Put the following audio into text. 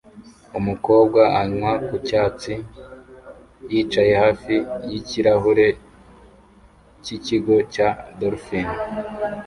Umukobwa anywa ku cyatsi yicaye hafi yikirahure cyikigo cya dolphine